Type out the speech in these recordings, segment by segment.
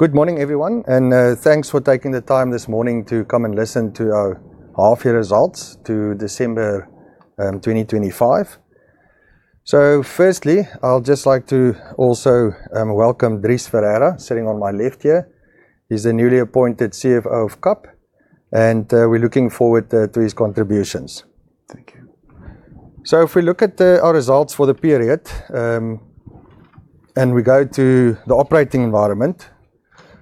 Good morning, everyone, thanks for taking the time this morning to come and listen to our half-year results to December, 2025. Firstly, I would just like to also welcome Dries Ferreira, sitting on my left here. He's the newly appointed CFO of KAP, and we're looking forward to his contributions. Thank you. If we look at our results for the period, and we go to the operating environment,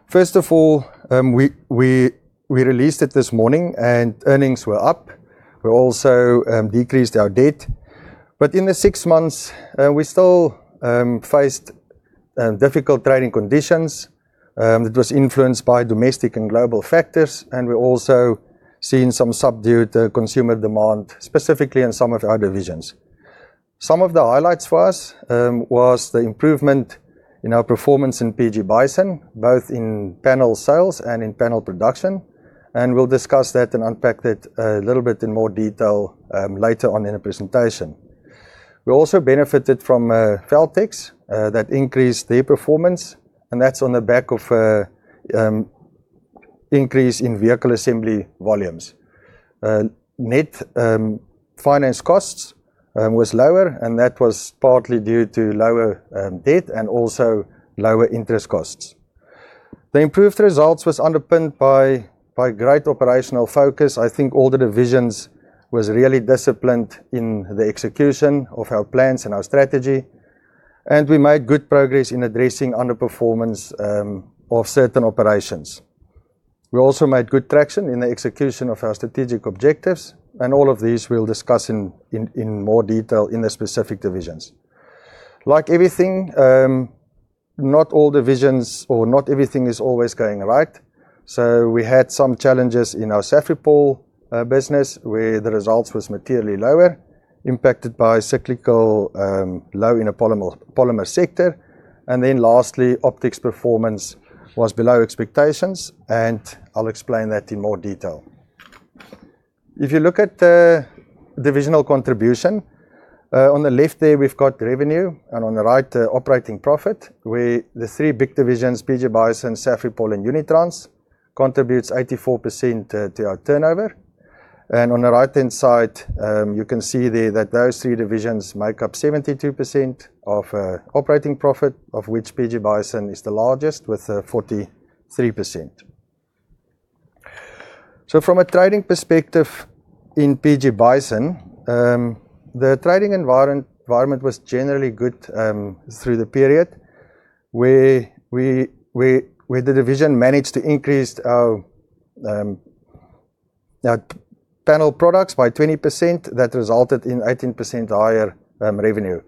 first of all, we released it this morning, and earnings were up. We also decreased our debt. In the six months, we still faced difficult trading conditions. It was influenced by domestic and global factors. We're also seeing some subdued consumer demand, specifically in some of our divisions. Some of the highlights for us was the improvement in our performance in PG Bison, both in panel sales and in panel production. We'll discuss that and unpack that a little bit in more detail later on in the presentation. We also benefited from Feltex that increased their performance. That's on the back of an increase in vehicle assembly volumes. Net finance costs was lower. That was partly due to lower debt and also lower interest costs. The improved results was underpinned by great operational focus. I think all the divisions was really disciplined in the execution of our plans and our strategy. We made good progress in addressing underperformance of certain operations. We also made good traction in the execution of our strategic objectives. All of these we'll discuss in more detail in the specific divisions. Like everything, not all divisions or not everything is always going right. We had some challenges in our Safripol business, where the results was materially lower, impacted by cyclical low in the polymer sector. Lastly, Optix performance was below expectations. I'll explain that in more detail. If you look at the divisional contribution, on the left there, we've got revenue, and on the right, operating profit, where the three big divisions, PG Bison, Safripol, and Unitrans, contributes 84% to our turnover. On the right-hand side, you can see there that those three divisions make up 72% of operating profit, of which PG Bison is the largest, with 43%. From a trading perspective in PG Bison, the trading environment was generally good through the period, where the division managed to increase our panel products by 20% that resulted in 18% higher revenue.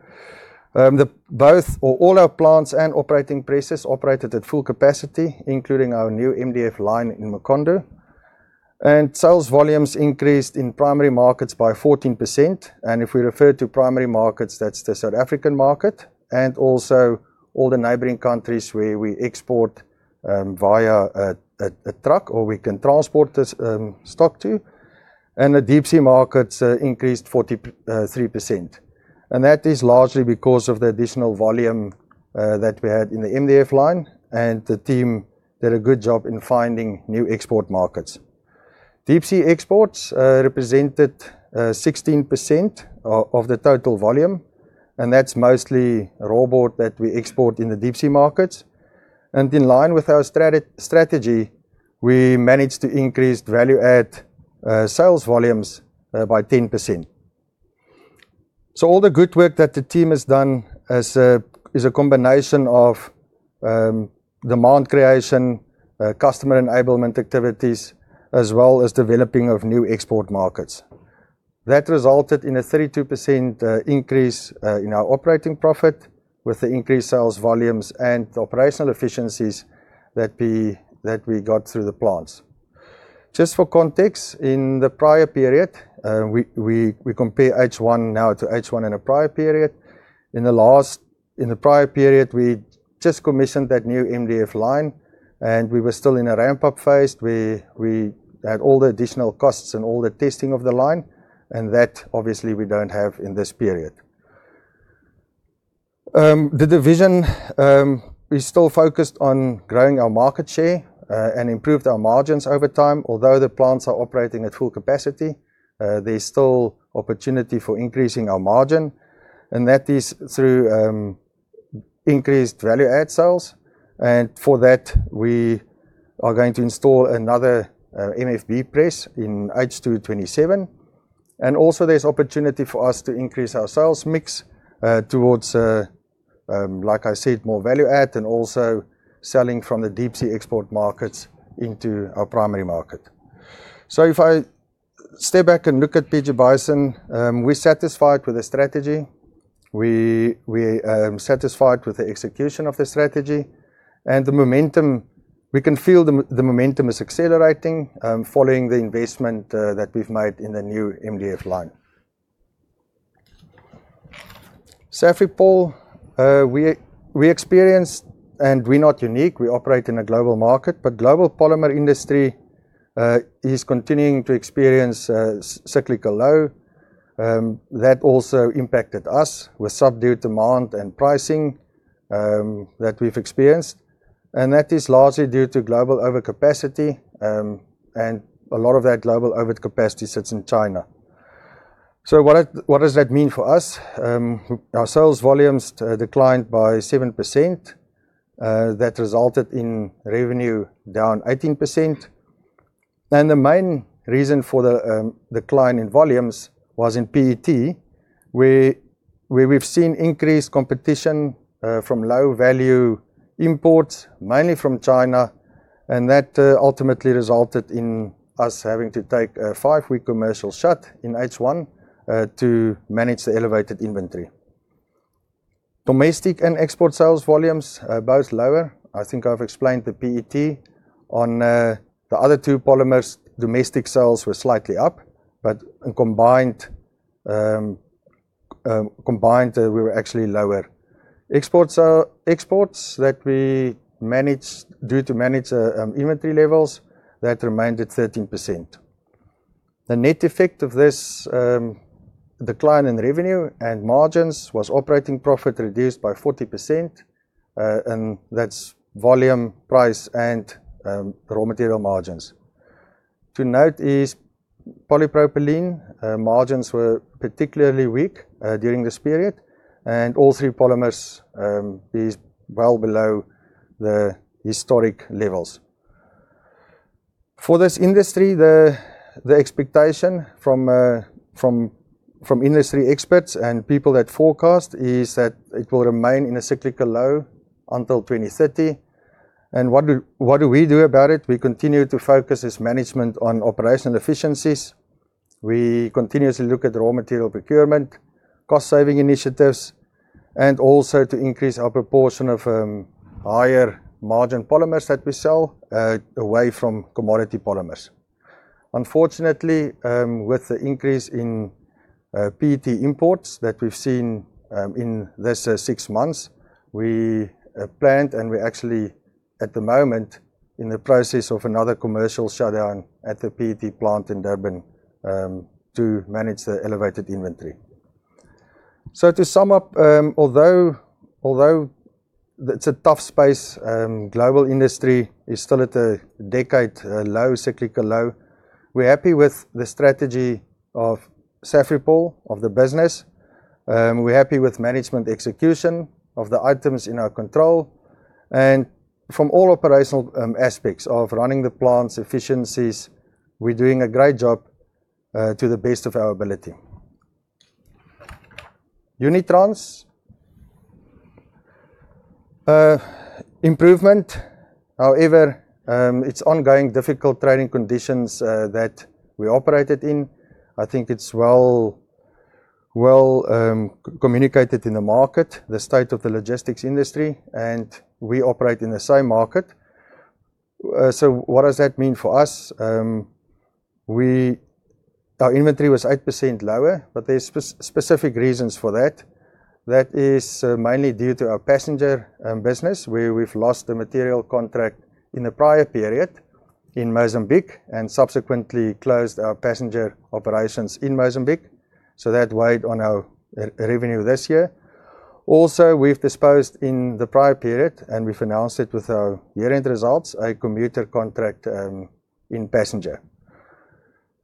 Both or all our plants and operating presses operated at full capacity, including our new MDF line in Makhanda, and sales volumes increased in primary markets by 14%. If we refer to primary markets, that's the South African market and also all the neighboring countries where we export via a truck, or we can transport this stock to. The deep-sea markets increased 43%, and that is largely because of the additional volume that we had in the MDF line, and the team did a good job in finding new export markets. Deep-sea exports represented 16% of the total volume, and that's mostly raw board that we export in the deep-sea markets. In line with our strategy, we managed to increase value-add sales volumes by 10%. All the good work that the team has done is a combination of demand creation, customer enablement activities, as well as developing of new export markets. That resulted in a 32% increase in our operating profit, with the increased sales volumes and operational efficiencies that we got through the plants. Just for context, in the prior period, we compare H1 now to H1 in the prior period. In the prior period, we just commissioned that new MDF line, and we were still in a ramp-up phase, where we had all the additional costs and all the testing of the line, and that obviously we don't have in this period. The division is still focused on growing our market share and improved our margins over time. Although the plants are operating at full capacity, there's still opportunity for increasing our margin, and that is through increased value-add sales, and for that, we are going to install another MFB press in H2 2027. Also, there's opportunity for us to increase our sales mix towards, like I said, more value add and also selling from the deep-sea export markets into our primary market. If I step back and look at PG Bison, we're satisfied with the strategy. We satisfied with the execution of the strategy and the momentum. We can feel the momentum is accelerating following the investment that we've made in the new MDF line. Safripol, we experienced, and we're not unique, we operate in a global market, but global polymer industry is continuing to experience a cyclical low. that also impacted us with subdued demand and pricing that we've experienced, and that is largely due to global overcapacity, and a lot of that global overcapacity sits in China. What does that mean for us? Our sales volumes declined by 7%, that resulted in revenue down 18%. The main reason for the decline in volumes was in PET, where we've seen increased competition from low-value imports, mainly from China, and that ultimately resulted in us having to take a five week commercial shut in H1 to manage the elevated inventory. Domestic and export sales volumes are both lower. I think I've explained the PET. On the other two polymers, domestic sales were slightly up, but in combined, we were actually lower. Exports that we managed... due to manage inventory levels, that remained at 13%. The net effect of this decline in revenue and margins was operating profit reduced by 40%, and that's volume, price, and raw material margins. To note is polypropylene margins were particularly weak during this period, and all three polymers is well below the historic levels. For this industry, the expectation from industry experts and people that forecast is that it will remain in a cyclical low until 2030. What do, what do we do about it? We continue to focus as management on operational efficiencies. We continuously look at raw material procurement, cost-saving initiatives, and also to increase our proportion of higher-margin polymers that we sell away from commodity polymers. Unfortunately, with the increase in PET imports that we've seen, in this six months, we planned, and we're actually, at the moment, in the process of another commercial shutdown at the PET plant in Durban, to manage the elevated inventory. To sum up, although it's a tough space, global industry is still at a decade low, cyclical low, we're happy with the strategy of Safripol, of the business. We're happy with management execution of the items in our control, and from all operational aspects of running the plants, efficiencies, we're doing a great job to the best of our ability. Unitrans improvement. However, it's ongoing difficult trading conditions that we operated in. I think it's well, communicated in the market, the state of the logistics industry, and we operate in the same market. What does that mean for us? We our inventory was 8% lower, but there's specific reasons for that. That is mainly due to our passenger business, where we've lost the material contract in the prior period in Mozambique and subsequently closed our passenger operations in Mozambique, so that weighed on our revenue this year. Also, we've disposed in the prior period, and we've announced it with our year-end results, a commuter contract in passenger.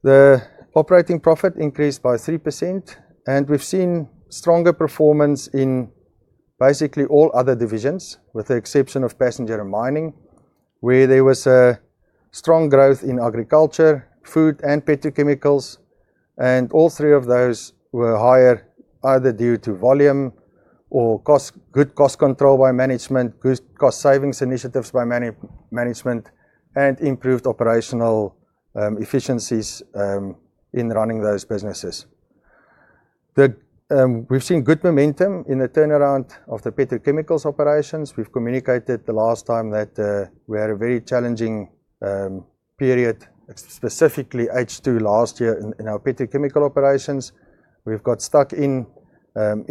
The operating profit increased by 3%, and we've seen stronger performance in basically all other divisions, with the exception of passenger and mining, where there was a strong growth in agriculture, food, and petrochemicals. All three of those were higher, either due to volume or cost, good cost control by management, good cost savings initiatives by management, and improved operational efficiencies in running those businesses. We've seen good momentum in the turnaround of the petrochemicals operations. We've communicated the last time that we had a very challenging period, specifically H2 last year in our petrochemical operations. We've got stuck in a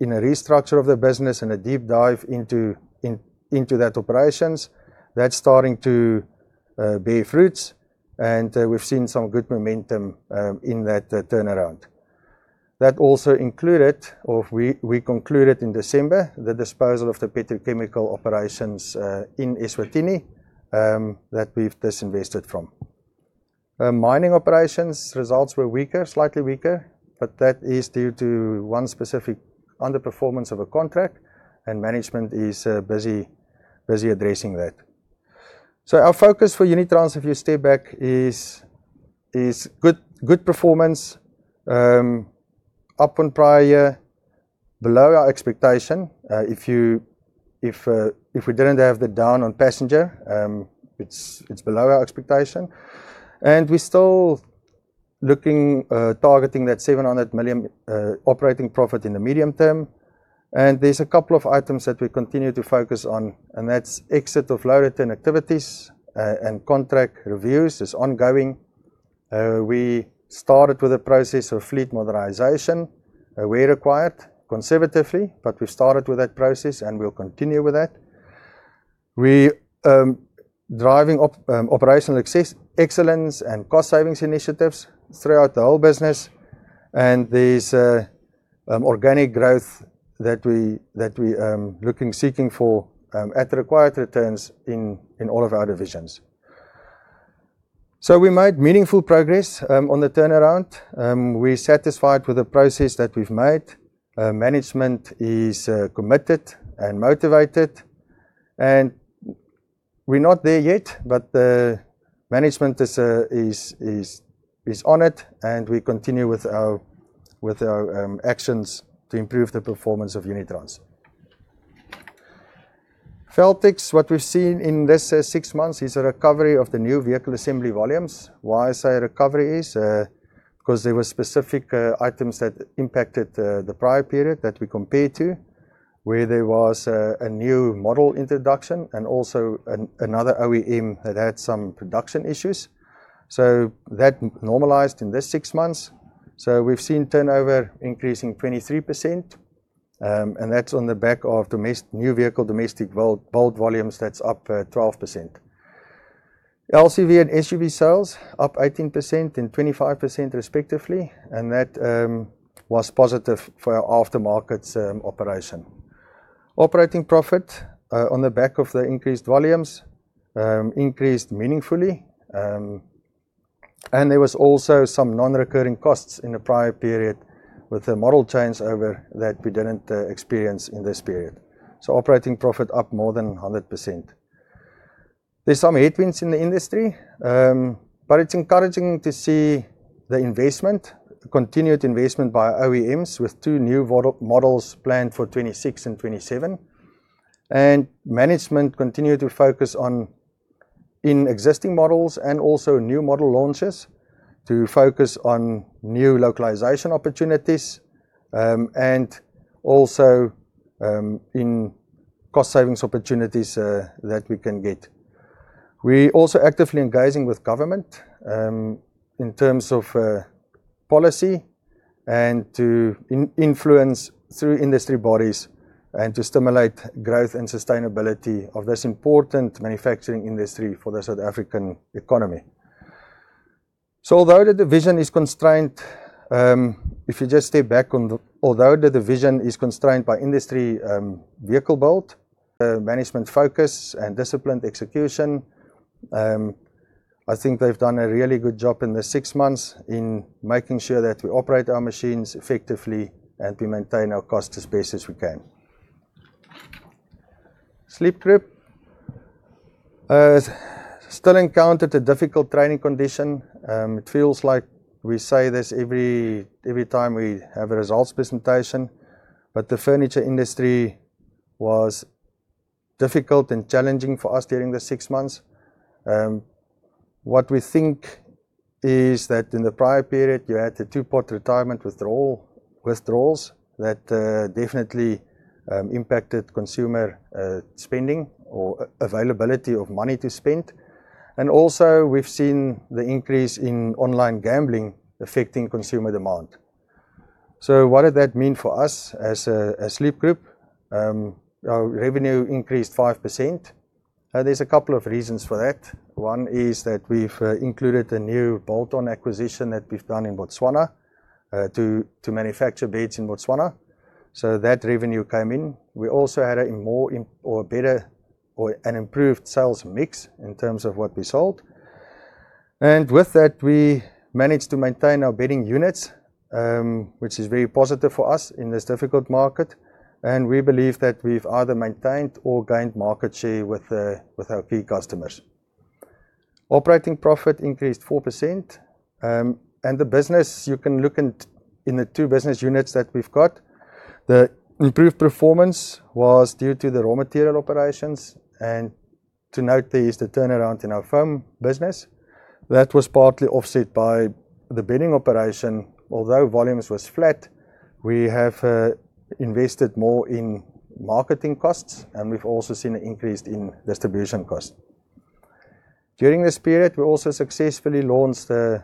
restructure of the business and a deep dive into that operations. That's starting to bear fruits, and we've seen some good momentum in that turnaround. That also included, or we concluded in December, the disposal of the petrochemical operations in Eswatini that we've disinvested from. Mining operations results were weaker, slightly weaker, but that is due to one specific underperformance of a contract, and management is busy addressing that. Our focus for Unitrans, if you step back, is good performance, up on prior year, below our expectation. If you, if we didn't have the down on passenger, it's below our expectation, and we're still looking, targeting that 700 million operating profit in the medium term. There's a couple of items that we continue to focus on, and that's exit of low-return activities, and contract reviews is ongoing. We started with a process of fleet modernization, where required, conservatively, but we started with that process, and we'll continue with that. We driving operational success, excellence, and cost savings initiatives throughout the whole business, and there's organic growth that we looking, seeking for at the required returns in all of our divisions. We made meaningful progress on the turnaround. We're satisfied with the progress that we've made. Management is committed and motivated, and we're not there yet, but the management is on it, and we continue with our actions to improve the performance of Unitrans. Feltex, what we've seen in this six months is a recovery of the new vehicle assembly volumes. Why I say recovery is, 'cause there were specific items that impacted the prior period that we compare to, where there was a new model introduction and also another OEM that had some production issues. That normalized in this six months. We've seen turnover increasing 23%, and that's on the back of new vehicle, domestic build volumes, that's up 12%. LCV and SUV sales up 18% and 25% respectively, and that was positive for our aftermarket operation. Operating profit on the back of the increased volumes increased meaningfully, and there was also some non-recurring costs in the prior period with the model changeover that we didn't experience in this period. Operating profit up more than 100%. There's some headwinds in the industry, but it's encouraging to see the investment, continued investment by OEMs, with two new models planned for 2026 and 2027. Management continue to focus on, in existing models and also new model launches, to focus on new localization opportunities, and also, in cost savings opportunities, that we can get. We also actively engaging with government, in terms of, policy and to influence through industry bodies and to stimulate growth and sustainability of this important manufacturing industry for the South African economy. Although the division is constrained, if you just step back on the... Although the division is constrained by industry, vehicle build, management focus, and disciplined execution, I think they've done a really good job in the six months in making sure that we operate our machines effectively and we maintain our costs as best as we can. Sleep Group still encountered a difficult trading condition. It feels like we say this every time we have a results presentation, but the furniture industry was difficult and challenging for us during the six months. What we think is that in the prior period, you had the Two-Pot Retirement withdrawals that definitely impacted consumer spending or availability of money to spend. Also, we've seen the increase in online gambling affecting consumer demand. What did that mean for us as a Sleep Group? Our revenue increased 5%. There's a couple of reasons for that. One is that we've included a new bolt-on acquisition that we've done in Botswana, to manufacture beds in Botswana. That revenue came in. We also had a more or a better or an improved sales mix in terms of what we sold. With that, we managed to maintain our bedding units, which is very positive for us in this difficult market, and we believe that we've either maintained or gained market share with our key customers. Operating profit increased 4%, and the business, you can look at in the two business units that we've got. The improved performance was due to the raw material operations. To note, there is the turnaround in our foam business. That was partly offset by the bedding operation. Although volumes was flat, we have invested more in marketing costs, and we've also seen an increase in distribution costs. During this period, we also successfully launched a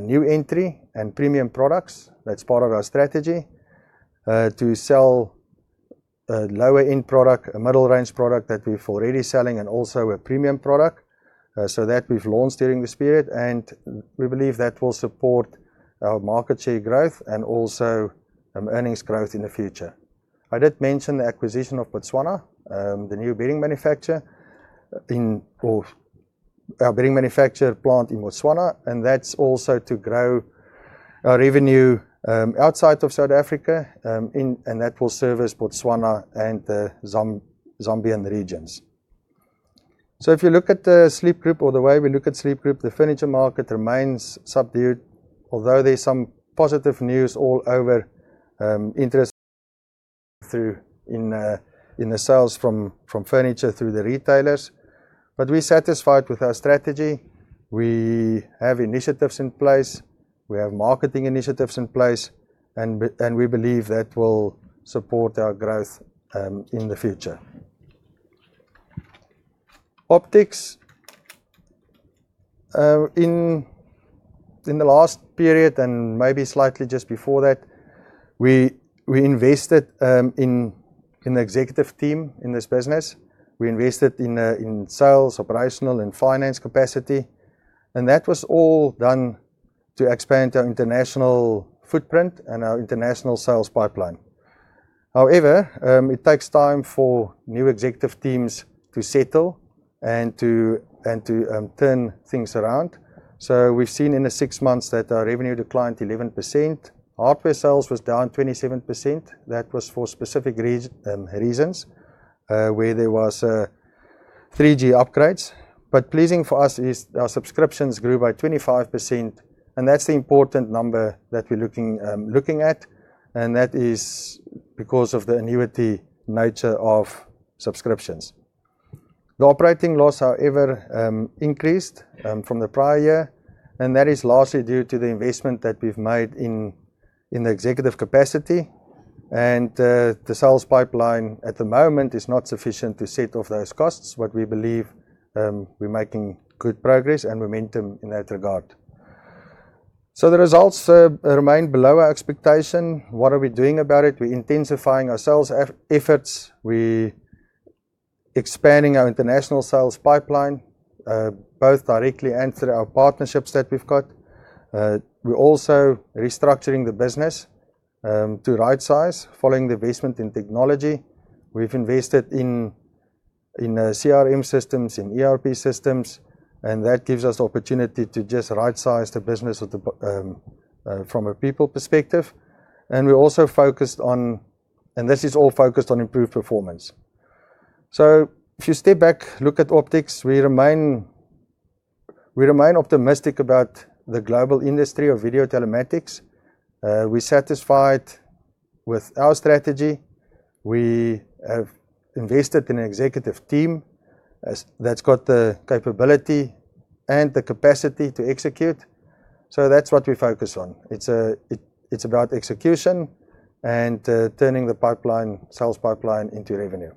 new entry and premium products. That's part of our strategy to sell a lower-end product, a middle-range product that we're already selling, and also a premium product. That we've launched during this period, and we believe that will support our market share growth and also earnings growth in the future. I did mention the acquisition of Botswana, the new bedding manufacturer, our bedding manufacturer plant in Botswana, and that's also to grow our revenue outside of South Africa, and that will service Botswana and the Zambian regions. If you look at the Sleep Group or the way we look at Sleep Group, the furniture market remains subdued, although there is some positive news all over, interest through, in the sales from furniture through the retailers. We're satisfied with our strategy. We have initiatives in place, we have marketing initiatives in place, and we believe that will support our growth in the future. Optix in the last period, and maybe slightly just before that, we invested in the executive team in this business. We invested in sales, operational, and finance capacity, and that was all done to expand our international footprint and our international sales pipeline. However, it takes time for new executive teams to settle and to turn things around. We've seen in the six months that our revenue declined 11%. Hardware sales was down 27%. That was for specific reasons, where there was 3G upgrades. Pleasing for us is our subscriptions grew by 25%, and that's the important number that we're looking at, and that is because of the annuity nature of subscriptions. The operating loss, however, increased from the prior year, and that is largely due to the investment that we've made in the executive capacity. The sales pipeline at the moment is not sufficient to set off those costs, we believe we're making good progress and momentum in that regard. The results remain below our expectation. What are we doing about it? We're intensifying our sales efforts. We expanding our international sales pipeline, both directly and through our partnerships that we've got. We're also restructuring the business to right-size, following the investment in technology. We've invested in CRM systems, in ERP systems, that gives us opportunity to just right-size the business from a people perspective. This is all focused on improved performance. If you step back, look at Optix, we remain optimistic about the global industry of video telematics. We're satisfied with our strategy. We have invested in an executive team that's got the capability and the capacity to execute. That's what we focus on. It's about execution and turning the sales pipeline into revenue.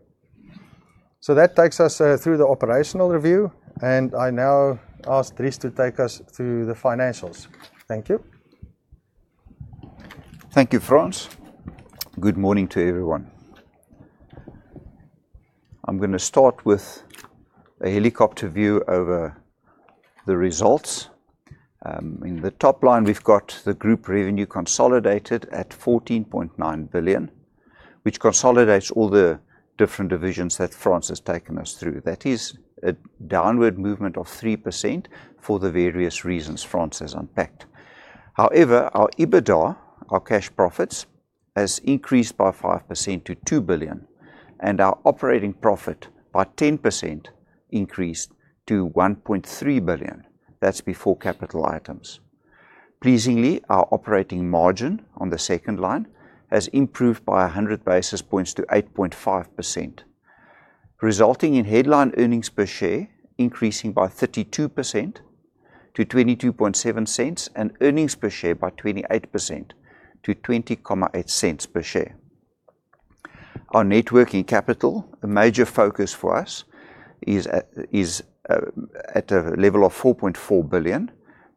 That takes us through the operational review, and I now ask Dries to take us through the financials. Thank you. Thank you, Frans. Good morning to everyone. I'm gonna start with a helicopter view over the results. In the top line, we've got the group revenue consolidated at 14.9 billion, which consolidates all the different divisions that Frans has taken us through. That is a downward movement of 3% for the various reasons Frans has unpacked. Our EBITDA, our cash profits, has increased by 5% to 2 billion, and our operating profit by 10% increased to 1.3 billion. That's before capital items. Pleasingly, our operating margin on the second line has improved by 100 basis points to 8.5%, resulting in headline earnings per share increasing by 32% to 0.227, and earnings per share by 28% to 0.208 per share. Our net working capital, a major focus for us, is at a level of 4.4 billion,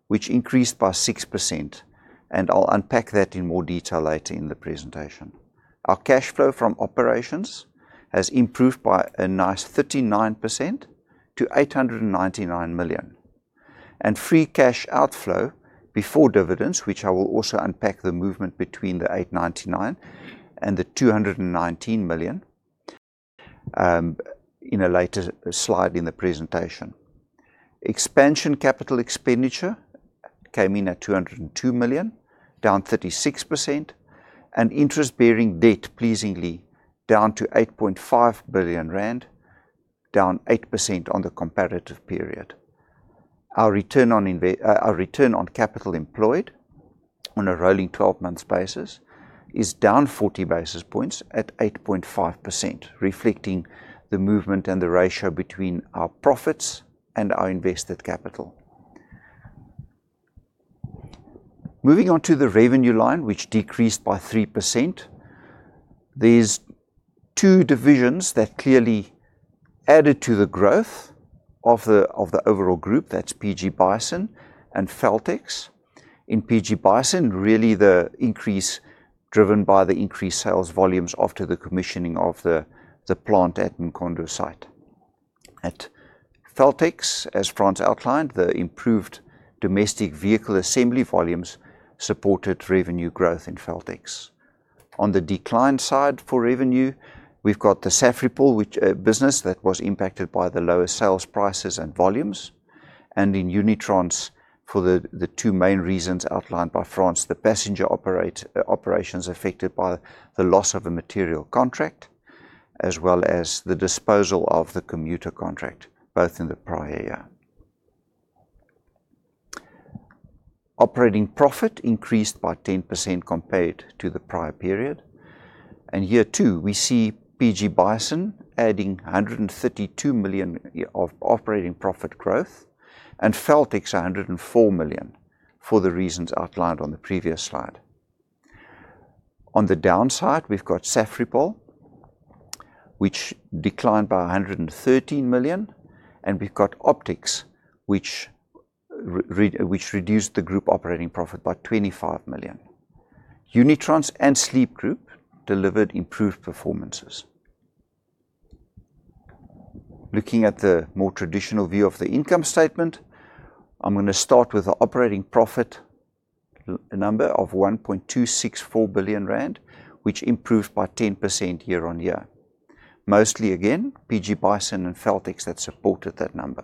which increased by 6%, and I'll unpack that in more detail later in the presentation. Our cash flow from operations has improved by a nice 39% to 899 million. Free cash outflow before dividends, which I will also unpack the movement between the 899 and the 219 million in a later slide in the presentation. Expansion capital expenditure came in at 202 million, down 36%, and interest-bearing debt pleasingly down to 8.5 billion rand, down 8% on the comparative period. Our return on inve our return on capital employed on a rolling 12 month basis is down 40 basis points at 8.5%, reflecting the movement and the ratio between our profits and our invested capital. Moving on to the revenue line, which decreased by 3%, there's two divisions that clearly added to the growth of the overall group. That's PG Bison and Feltex. In PG Bison, really the increase driven by the increased sales volumes after the commissioning of the plant at Mkhondo site. At Feltex, as Frans outlined, the improved domestic vehicle assembly volumes supported revenue growth in Feltex. On the decline side for revenue, we've got the Safripol, which, a business that was impacted by the lower sales prices and volumes, and in Unitrans, for the two main reasons outlined by Frans, the passenger operations affected by the loss of a material contract, as well as the disposal of the commuter contract, both in the prior year. Operating profit increased by 10% compared to the prior period. Year two, we see PG Bison adding 132 million of operating profit growth and Feltex, 104 million, for the reasons outlined on the previous slide. On the downside, we've got Safripol, which declined by 113 million, and we've got Optix, which reduced the group operating profit by 25 million. Unitrans and Sleep Group delivered improved performances. Looking at the more traditional view of the income statement, I'm gonna start with the operating profit number of 1.264 billion rand, which improved by 10% year-on-year. Mostly, again, PG Bison and Feltex that supported that number.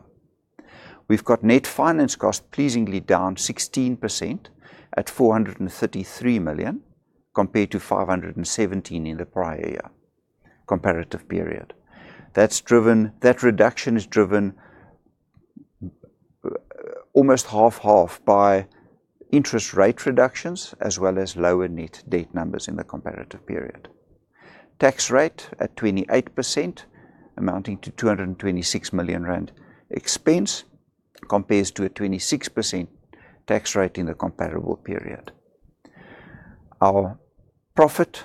We've got net finance cost pleasingly down 16% at 433 million, compared to 517 million in the prior year, comparative period. That reduction is driven almost half-half by interest rate reductions, as well as lower net debt numbers in the comparative period. Tax rate at 28%, amounting to 226 million rand expense, compares to a 26% tax rate in the comparable period. Our profit,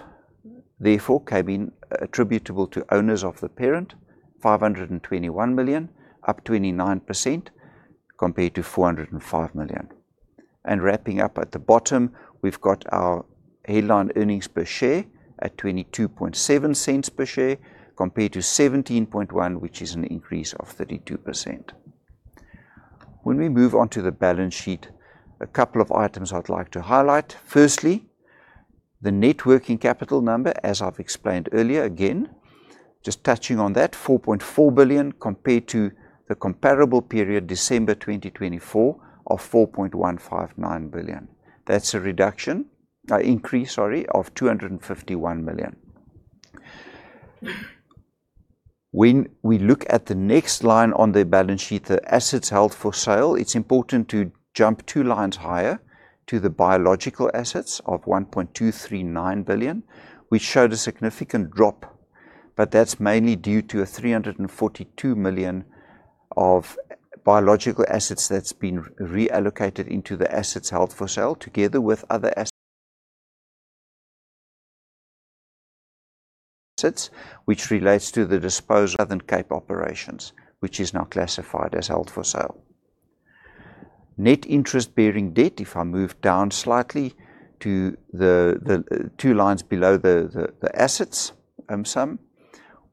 therefore, came in attributable to owners of the parent, 521 million, up 29%, compared to 405 million. Wrapping up at the bottom, we've got our headline earnings per share at 0.227 per share, compared to 0.171, which is an increase of 32%. We move on to the balance sheet, a couple of items I'd like to highlight. Firstly, the net working capital number, as I've explained earlier, again, just touching on that, 4.4 billion, compared to the comparable period, December 2024, of 4.159 billion. That's a reduction, increase, sorry, of 251 million. We look at the next line on the balance sheet, the assets held for sale, it's important to jump two lines higher to the biological assets of 1.239 billion, which showed a significant drop. That's mainly due to a 342 million of biological assets that's been reallocated into the assets held for sale, together with other assets, which relates to the disposal of PG Bison southern Cape operations, which is now classified as held for sale. Net interest bearing debt, if I move down slightly to the two lines below the assets sum,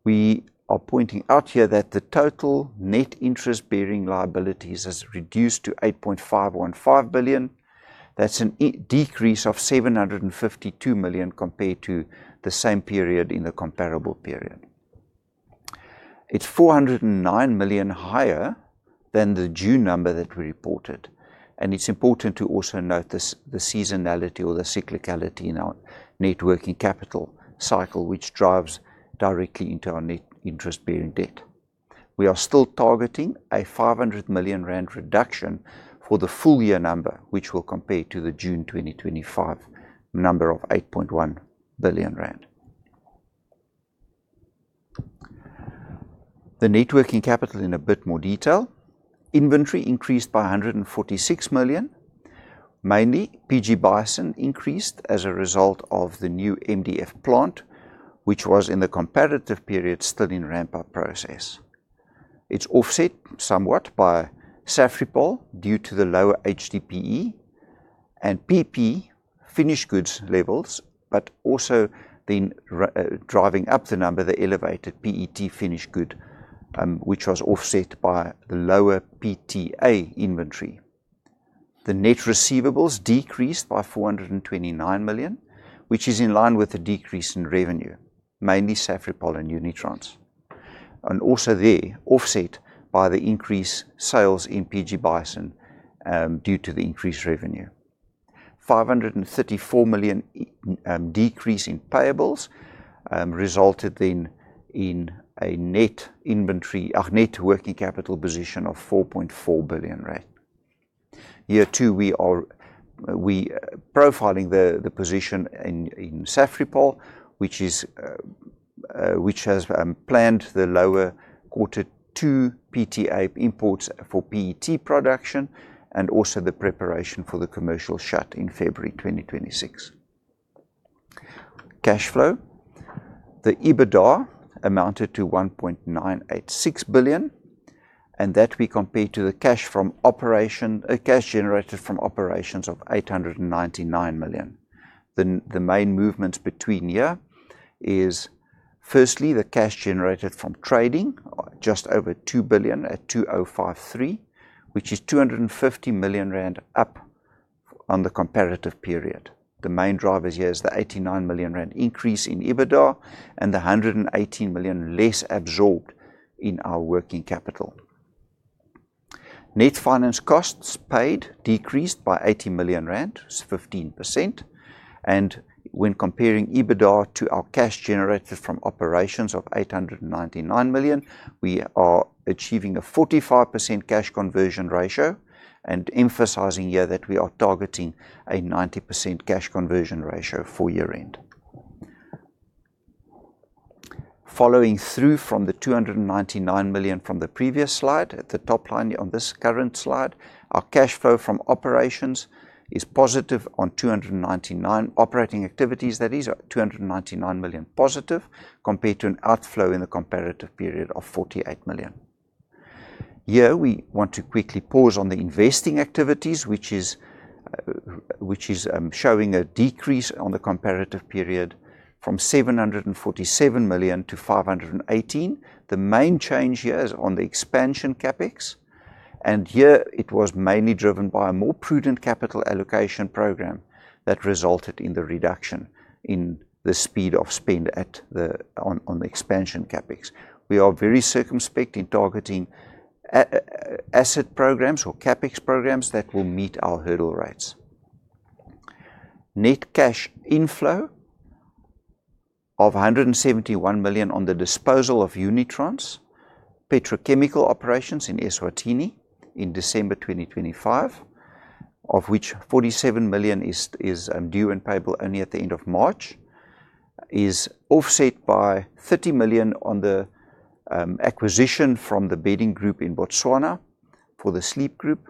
we are pointing out here that the total net interest bearing liabilities has reduced to 8.515 billion. That's a decrease of 752 million compared to the same period in the comparable period. It's 409 million higher than the June number that we reported, and it's important to also note this, the seasonality or the cyclicality in our net working capital cycle, which drives directly into our net interest-bearing debt. We are still targeting a 500 million rand reduction for the full year number, which will compare to the June 2025 number of ZAR 8.1 billion. The net working capital in a bit more detail. Inventory increased by 146 million. Mainly, PG Bison increased as a result of the new MDF plant, which was, in the comparative period, still in ramp-up process. It's offset somewhat by Safripol due to the lower HDPE and PP finished goods levels, but also then driving up the number, the elevated PET finished good, which was offset by the lower PTA inventory. The net receivables decreased by 429 million, which is in line with the decrease in revenue, mainly Safripol and Unitrans. Also there, offset by the increased sales in PG Bison due to the increased revenue. 534 million decrease in payables resulted then in a net inventory, net working capital position of 4.4 billion rand. Here, too, we are profiling the position in Safripol, which has planned the lower quarter two PTA imports for PET production, and also the preparation for the commercial shut in February 2026. Cash flow. The EBITDA amounted to 1.986 billion. That we compare to the cash generated from operations of 899 million. The main movements between here is, firstly, the cash generated from trading, just over 2 billion at 2,053 million, which is 250 million rand up on the comparative period. The main drivers here is the 89 million rand increase in EBITDA and the 118 million less absorbed in our working capital. Net finance costs paid decreased by 80 million rand, so 15%. When comparing EBITDA to our cash generated from operations of 899 million, we are achieving a 45% cash conversion ratio and emphasizing here that we are targeting a 90% cash conversion ratio for year-end. Following through from the 299 million from the previous slide, at the top line on this current slide, our cash flow from operations is positive on 299 million. Operating activities, that is, are 299 million positive, compared to an outflow in the comparative period of 48 million. Here, we want to quickly pause on the investing activities, which is showing a decrease on the comparative period from 747 million to 518. The main change here is on the expansion CapEx, here it was mainly driven by a more prudent capital allocation program that resulted in the reduction in the speed of spend at the expansion CapEx. We are very circumspect in targeting asset programs or CapEx programs that will meet our hurdle rates. Net cash inflow of 171 million on the disposal of Unitrans petrochemical operations in Eswatini in December 2025, of which 47 million is due and payable only at the end of March, is offset by 30 million on the acquisition from the bedding group in Botswana for the Sleep Group,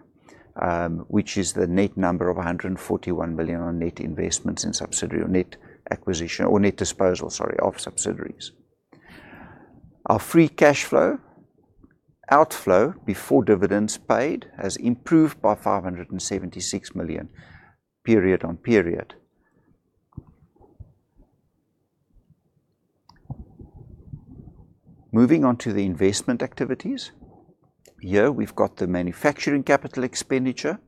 which is the net number of 141 million on net investments in subsidiary or net acquisition or net disposal, sorry, of subsidiaries. Our free cash flow outflow before dividends paid has improved by 576 million period on period. Moving on to the investment activities. Here, we've got the manufacturing capital expenditure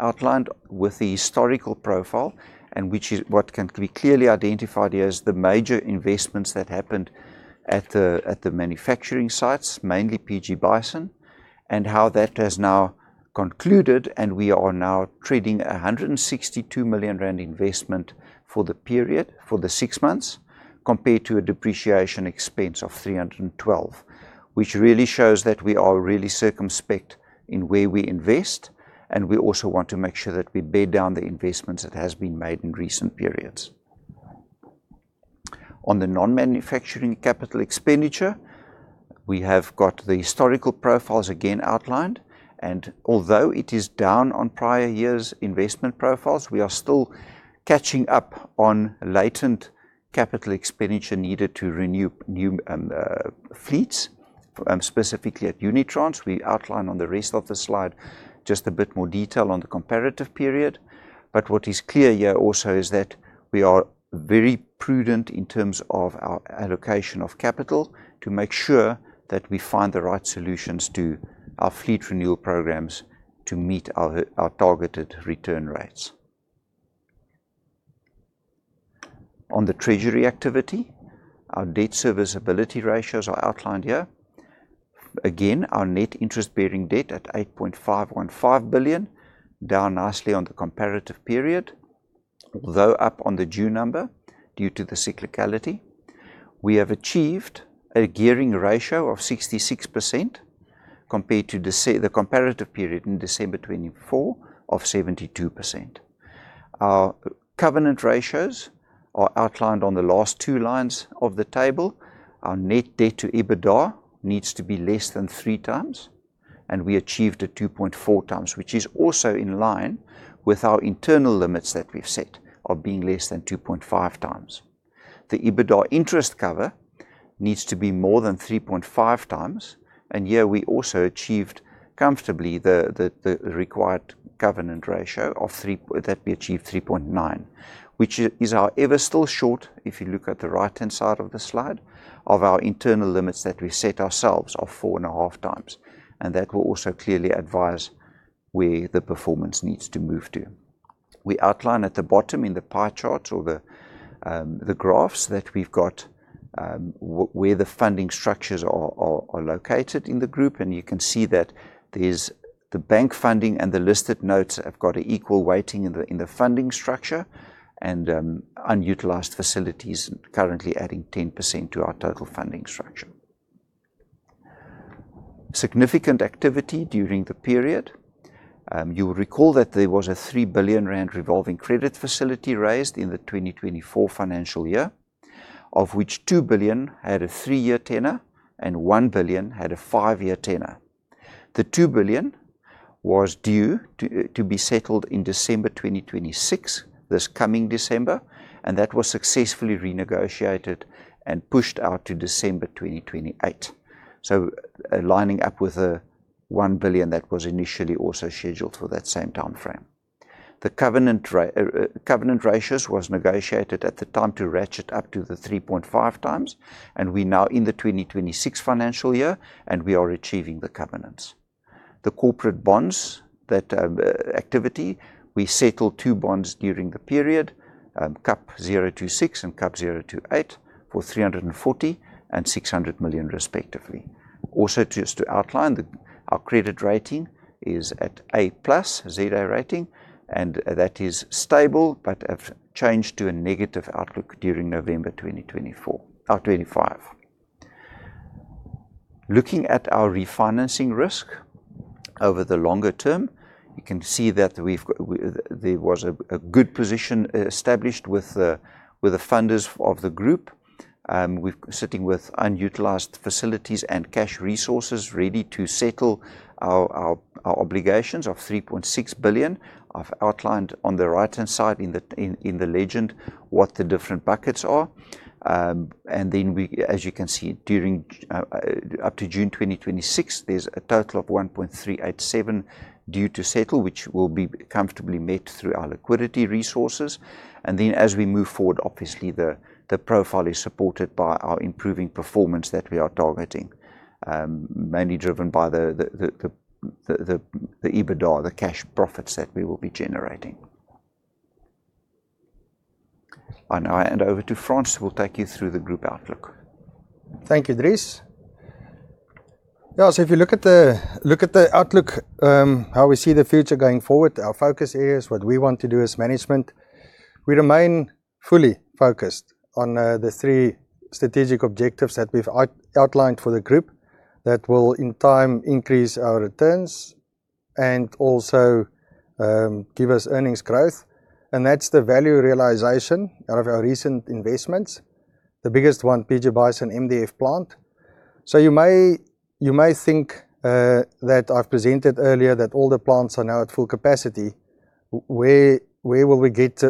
outlined with the historical profile, which is what can be clearly identified here as the major investments that happened at the manufacturing sites, mainly PG Bison. How that has now concluded, we are now trading a 162 million rand investment for the period, for the six months, compared to a depreciation expense of 312 million, which really shows that we are really circumspect in where we invest. We also want to make sure that we bear down the investments that has been made in recent periods. On the non-manufacturing capital expenditure, we have got the historical profiles again outlined. Although it is down on prior years' investment profiles, we are still catching up on latent capital expenditure needed to renew new fleets specifically at Unitrans. We outline on the rest of the slide just a bit more detail on the comparative period, what is clear here also is that we are very prudent in terms of our allocation of capital to make sure that we find the right solutions to our fleet renewal programs to meet our targeted return rates. On the treasury activity, our debt service ability ratios are outlined here. Our net interest-bearing debt at 8.515 billion, down nicely on the comparative period, although up on the June number, due to the cyclicality. We have achieved a gearing ratio of 66%, compared to the comparative period in December 2024 of 72%. Our covenant ratios are outlined on the last two lines of the table. Our net debt to EBITDA needs to be less than three times. We achieved a 2.4 times, which is also in line with our internal limits that we've set of being less than 2.5 times. The EBITDA interest cover needs to be more than 3.5 times. Here we also achieved comfortably the required covenant ratio. We achieved 3.9, which is our ever still short, if you look at the right-hand side of the slide, of our internal limits that we set ourselves of 4.5 times. That will also clearly advise where the performance needs to move to. We outline at the bottom, in the pie charts or the graphs, that we've got where the funding structures are located in the group. You can see that there's the bank funding and the listed notes have got an equal weighting in the funding structure. Unutilized facilities currently adding 10% to our total funding structure. Significant activity during the period. You will recall that there was a 3 billion rand revolving credit facility raised in the 2024 financial year, of which 2 billion had a three year tenor and 1 billion had a five year tenor. The 2 billion was due to be settled in December 2026, this coming December. That was successfully renegotiated and pushed out to December 2028, aligning up with the 1 billion that was initially also scheduled for that same time frame. The covenant ratios was negotiated at the time to ratchet up to the 3.5 times. We now in the 2026 financial year, we are achieving the covenants. The corporate bonds, that activity, we settled two bonds during the period, KAP026 and KAP028, for 340 million and 600 million, respectively. Just to outline that our credit rating is at A+(za) rating, that is stable, have changed to a negative outlook during November 2025. Looking at our refinancing risk over the longer term, you can see that there was a good position established with the funders of the group. Sitting with unutilized facilities and cash resources ready to settle our obligations of 3.6 billion. I've outlined on the right-hand side in the legend what the different buckets are. As you can see, during up to June 2026, there's a total of 1.387 due to settle, which will be comfortably met through our liquidity resources. Then, as we move forward, obviously, the profile is supported by our improving performance that we are targeting, mainly driven by the EBITDA, the cash profits that we will be generating. I hand over to Frans, who will take you through the group outlook. Thank you, Dries. Yeah, if you look at the outlook, how we see the future going forward, our focus areas, what we want to do as management. We remain fully focused on the three strategic objectives that we've outlined for the group, that will, in time, increase our returns and also give us earnings growth, and that's the value realization out of our recent investments. The biggest one, PG Bison MDF plant. You may think that I've presented earlier that all the plants are now at full capacity. Where will we get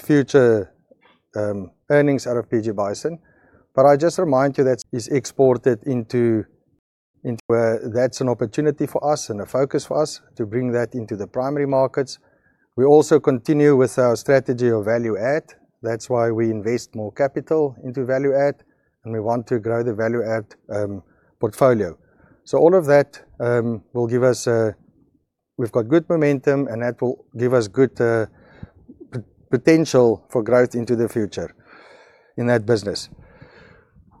future earnings out of PG Bison? I just remind you that it's exported into. That's an opportunity for us and a focus for us, to bring that into the primary markets. We also continue with our strategy of value add. That's why we invest more capital into value add, and we want to grow the value add portfolio. All of that will give us. We've got good momentum, and that will give us good potential for growth into the future in that business.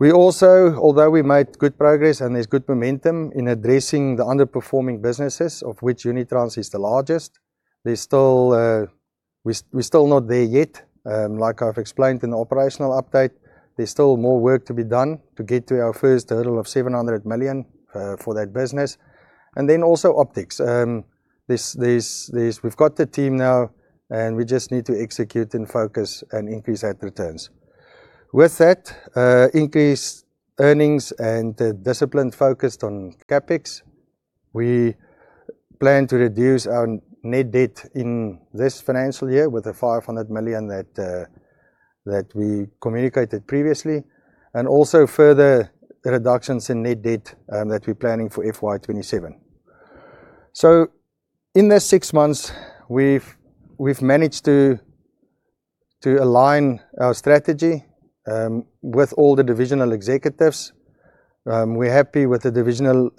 We also, although we made good progress, and there's good momentum in addressing the underperforming businesses, of which Unitrans is the largest, there's still we're still not there yet. Like I've explained in the operational update, there's still more work to be done to get to our first total of 700 million for that business. Also Optix. There's we've got the team now, and we just need to execute and focus and increase that returns. With that, increased earnings and a disciplined focus on CapEx, we plan to reduce our net debt in this financial year with the 500 million that we communicated previously, and also further reductions in net debt that we're planning for FY 2027. In the six months, we've managed to align our strategy with all the divisional executives. We're happy with the divisional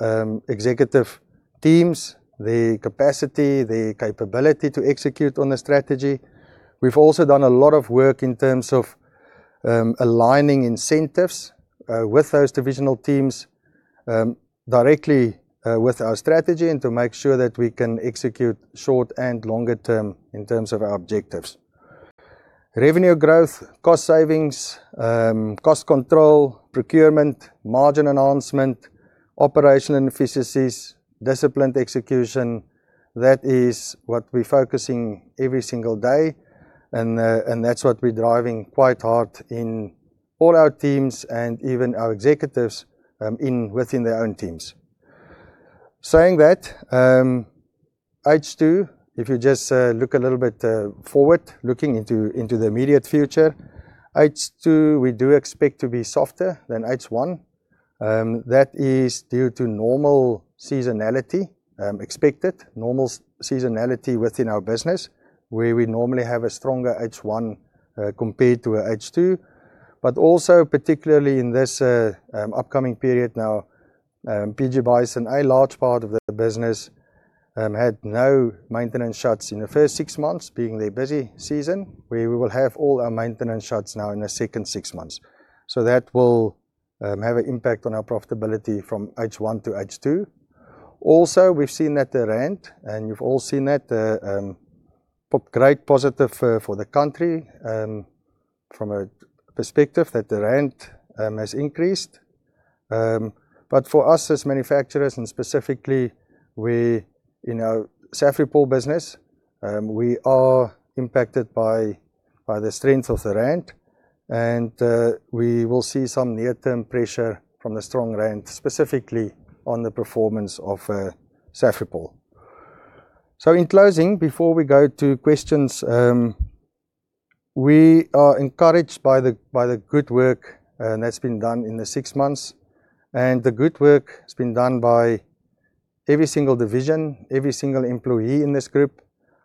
executive teams, their capacity, their capability to execute on the strategy. We've also done a lot of work in terms of aligning incentives with those divisional teams directly with our strategy, and to make sure that we can execute short and longer term in terms of our objectives. Revenue growth, cost savings, cost control, procurement, margin enhancement, operational efficiencies, disciplined execution, that is what we're focusing every single day, and that's what we're driving quite hard in all our teams and even our executives in within their own teams. Saying that, H2, if you just look a little bit forward, looking into the immediate future, H2, we do expect to be softer than H1. That is due to normal seasonality, expected normal seasonality within our business, where we normally have a stronger H1 compared to a H2. Also, particularly in this upcoming period now, PG Bison, a large part of the business, had no maintenance shuts in the first six months, being their busy season, where we will have all our maintenance shuts now in the second six months. That will have an impact on our profitability from H1 to H2. Also, we've seen that the rand, and you've all seen that great positive for the country, from a perspective that the rand has increased. But for us as manufacturers, and specifically we, in our Safripol business, we are impacted by the strength of the rand, and we will see some near-term pressure from the strong rand, specifically on the performance of Safripol. In closing, before we go to questions, we are encouraged by the good work that's been done in the six months, and the good work that's been done by every single division, every single employee in this group.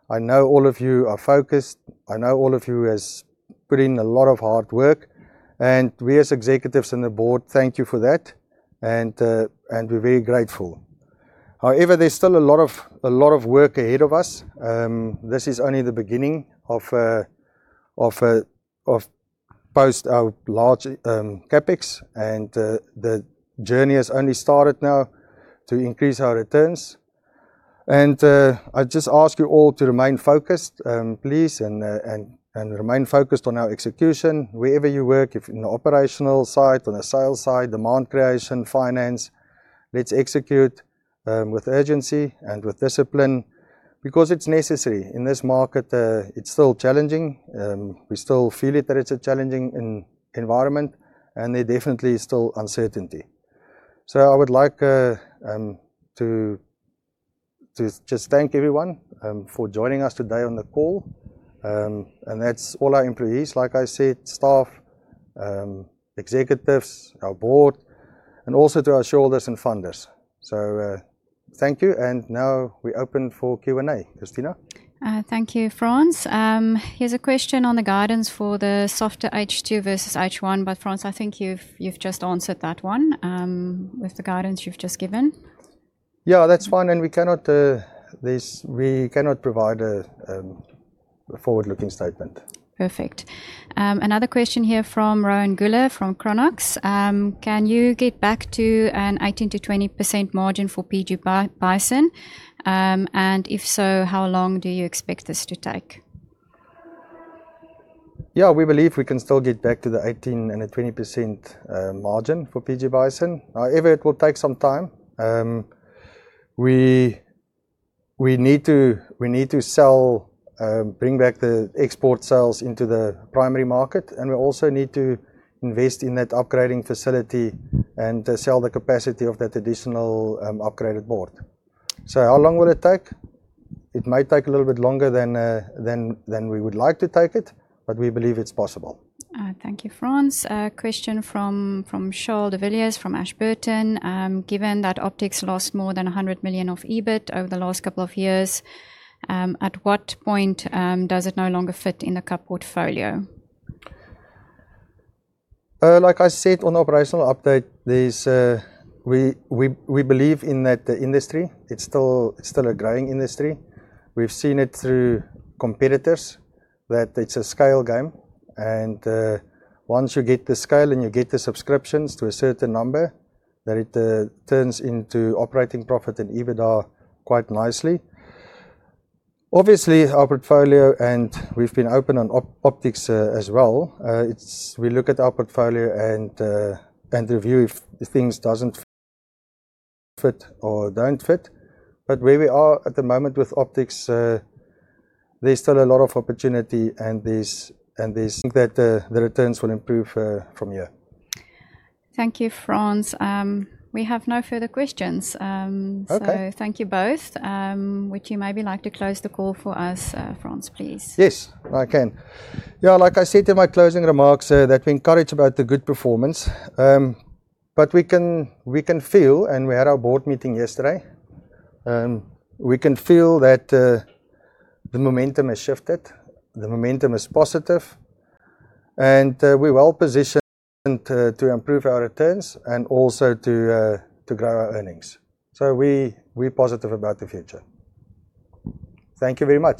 I know all of you are focused. I know all of you has put in a lot of hard work, and we as executives on the board, thank you for that, and we're very grateful. There's still a lot of work ahead of us. This is only the beginning of post our large CapEx, the journey has only started now to increase our returns. I just ask you all to remain focused, please, and remain focused on our execution. Wherever you work, if you're in the operational side, on the sales side, demand creation, finance, let's execute with urgency and with discipline because it's necessary. In this market, it's still challenging. We still feel it, that it's a challenging environment, and there definitely is still uncertainty. I would like to just thank everyone for joining us today on the call. That's all our employees, like I said, staff, executives, our board, and also to our shareholders and funders. Thank you, and now we open for Q&A. Christna. Thank you, Frans. Here's a question on the guidance for the softer H2 versus H1. Frans, I think you've just answered that one, with the guidance you've just given. Yeah, that's fine, we cannot provide a forward-looking statement. Perfect. Another question here from Rowan Goeller, from Coronation. Can you get back to an 18%-20% margin for PG Bison? If so, how long do you expect this to take? Yeah, we believe we can still get back to the 18%-20% margin for PG Bison. It will take some time. We need to sell, bring back the export sales into the primary market, and we also need to invest in that upgrading facility and to sell the capacity of that additional upgraded board. How long will it take? It might take a little bit longer than we would like to take it, but we believe it's possible. Thank you, Frans. A question from Charl de Villiers, from Ashburton. Given that Optix lost more than 100 million of EBIT over the last couple of years, at what point does it no longer fit in the core portfolio? Like I said on the operational update, We believe in that industry. It's still a growing industry. We've seen it through competitors, that it's a scale game, once you get the scale and you get the subscriptions to a certain number, that it turns into operating profit and EBITDA quite nicely. Obviously, our portfolio, we've been open on Optix as well, we look at our portfolio and review if things doesn't fit or don't fit. Where we are at the moment with Optix, there's still a lot of opportunity and there's I think that the returns will improve from here. Thank you, Frans. We have no further questions. Okay. Thank you both. Would you maybe like to close the call for us, Frans, please? Yes, I can. Yeah, like I said in my closing remarks, that we're encouraged about the good performance. We can feel. We had our board meeting yesterday. We can feel that the momentum has shifted, the momentum is positive, and we're well positioned to improve our returns and also to grow our earnings. We're positive about the future. Thank you very much.